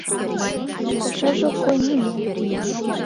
Ни пашаже ок кой, ни мо.